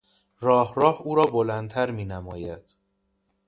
راه راه، او را بلندتر مینماید.